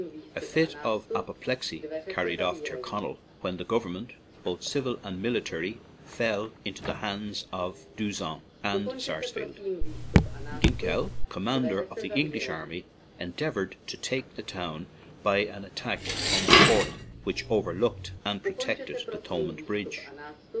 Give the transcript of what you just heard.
A fit of apoplexy carried off Tyrconnell, when the government, both civil and military, fell into the hands of D'Usson and Sars fleld. Ginkell, the commander of the English army, endeavored to take the town by an attack on the fort which overlooked and protected the Thomond Bridge.